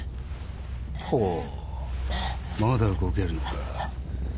ほぉまだ動けるのか。